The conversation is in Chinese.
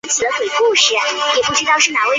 也属将军澳填海区较早建屋及迁入的楼宇。